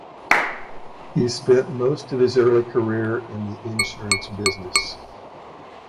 He spent most of his early career in the insurance business.